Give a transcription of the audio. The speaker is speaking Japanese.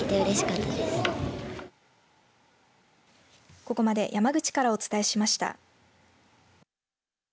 ここまで山口からお伝えしました。